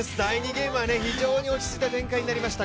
ゲームは落ち着いた展開になりました。